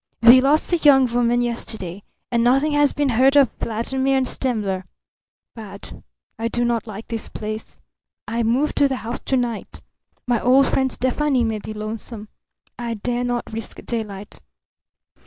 We lost the young woman yesterday. And nothing has been heard of Vladimir and Stemmler. Bad. I do not like this place. I move to the house to night. My old friend Stefani may be lonesome. I dare not risk daylight.